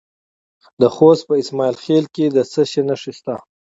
د خوست په اسماعیل خیل کې د څه شي نښې دي؟